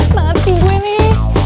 mati gue nih aduh